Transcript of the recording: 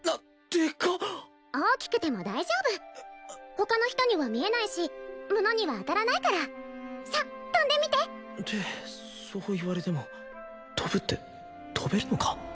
大きくても大丈夫他の人には見えないしものには当たらないからさあ飛んでみてってそう言われても飛ぶって飛べるのか？